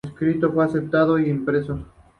El manuscrito fue aceptado e impreso.